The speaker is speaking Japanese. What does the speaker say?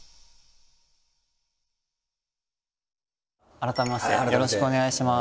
改めましてよろしくお願いします。